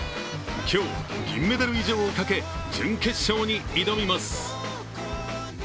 今日、銀メダル以上をかけ準決勝に挑みます。